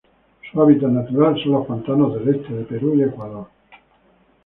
Su hábitat natural son los pantanos del este de Perú y Ecuador.